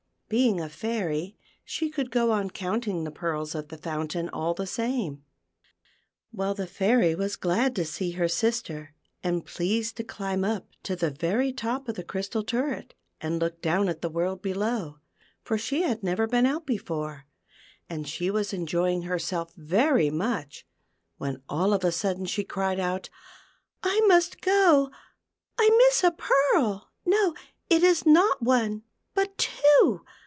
Being a fairy, she could go on counting the pearls of the fountain all the same. Well, the Fairy was glad to see her sister, and pleased to climb up to the very top of the crystal turret, and look down at the world below, for she had never been out before, and she was enjoying herself very much, when all of a sudden she cried out :" I must go ; I miss a pearl ; no, it is not one, but two.